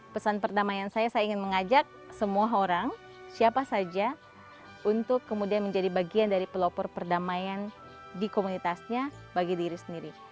pesan perdamaian saya saya ingin mengajak semua orang siapa saja untuk kemudian menjadi bagian dari pelopor perdamaian di komunitasnya bagi diri sendiri